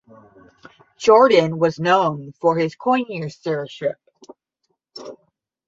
Jordan was known for his connoisseurship.